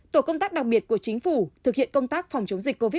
tổ công tác đặc biệt của chính phủ thực hiện công tác phòng chống dịch covid một mươi chín